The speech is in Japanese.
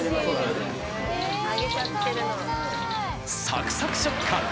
サクサク食感。